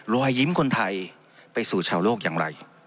รอยยิ้มคนไทยไปสู่ชาวโลกอย่างไร